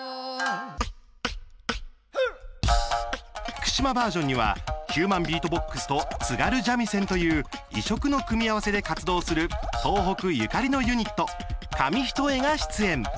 福島バージョンにはヒューマンビートボックスと津軽三味線という異色の組み合わせで活動する東北ゆかりのユニットＫＡＭｉＨｉＴＯＥが出演。